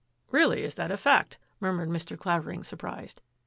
'*" Really, is that a fact? " murmured Mr. Claver ing, surprised.